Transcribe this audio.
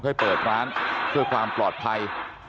ให้เปิดร้านเพื่อความปลอดภัย